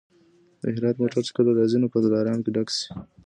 د هرات موټر چي کله راځي نو په دلارام کي ډک سي.